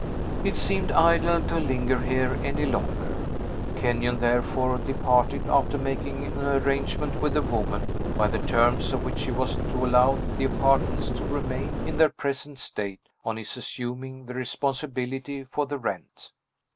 It seemed idle to linger here any longer. Kenyon therefore departed, after making an arrangement with the woman, by the terms of which she was to allow the apartments to remain in their present state, on his assuming the responsibility for the rent.